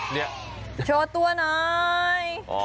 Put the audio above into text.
เนี่ยโชว์ตัวหน่อย